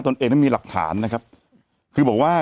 แต่หนูจะเอากับน้องเขามาแต่ว่า